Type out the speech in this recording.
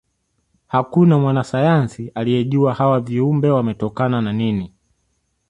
hakuna mwanasayansi aliejua hawa viumbe wametokana na nini